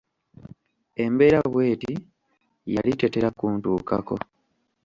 Embeera bw'eti yali tetera kuntuukako.